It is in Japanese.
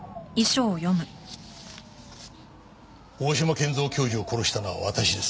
「大島健蔵教授を殺したのは私です」